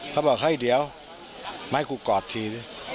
เขาบอกเฮ้ยเดี๋ยวมาให้กูกอดทีสิ